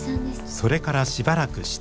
それからしばらくして。